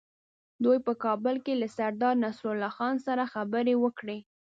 دوی په کابل کې له سردار نصرالله خان سره خبرې وکړې.